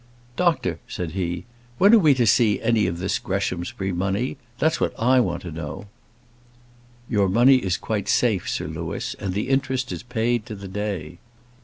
"Doctor," said he, "when are we to see any of this Greshamsbury money? That's what I want to know." "Your money is quite safe, Sir Louis; and the interest is paid to the day."